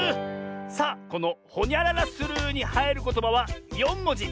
さあこの「ほにゃららする」にはいることばは４もじ。